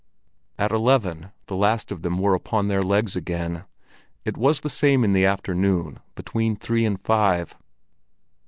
At eleven the last of them were upon their legs again. It was the same in the afternoon between three and five.